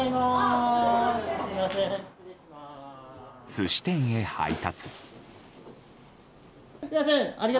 寿司店へ配達。